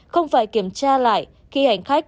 không phải kiểm tra lại khi hành khách